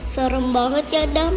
serem banget ya dam